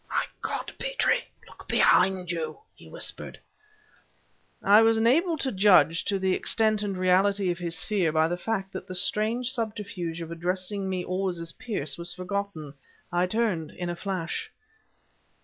"My God, Petrie! look behind you!" he whispered. I was enabled to judge of the extent and reality of his fear by the fact that the strange subterfuge of addressing me always as Pearce was forgotten. I turned, in a flash....